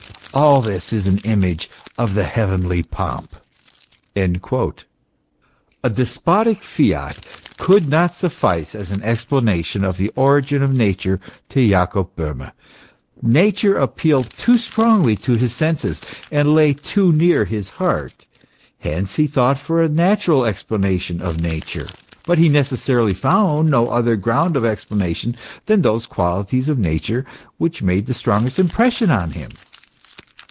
All this is an image of the heavenly pomp."* A despotic fiat could not suffice as an explanation of the origin of Nature to Jacob Bohme ; Nature appealed too strongly to his senses, and lay too near his heart ; hence he sought for * L. c p. 480, 338, 340, 323. 94 THE ESSENCE OF CHRISTIANITY. a natural explanation of Nature ; but he necessarily found no other ground of explanation than those qualities of Nature which made the strongest impression on him.